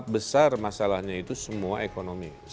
besar masalahnya itu semua ekonomi